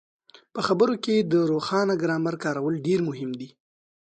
په خبرو کې د روښانه ګرامر کارول ډېر مهم دي.